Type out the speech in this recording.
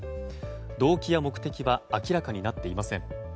動機や目的は明らかになっていません。